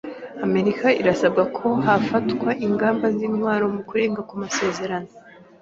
Amerika irasaba ko hafatwa ingamba z’intwaro ku barenga ku masezerano